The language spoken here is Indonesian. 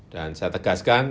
dan saya tegaskan